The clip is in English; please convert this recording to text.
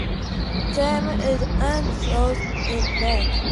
It came with an add-on slot in the back.